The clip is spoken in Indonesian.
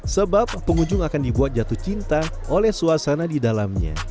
sebab pengunjung akan dibuat jatuh cinta oleh suasana di dalamnya